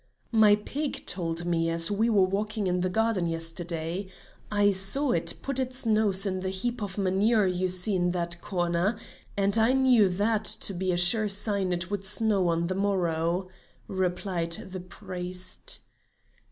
"My pig told me as we were walking in the garden yesterday. I saw it put its nose in the heap of manure you see in that corner, and I knew that to be a sure sign that it would snow on the morrow," replied the priest.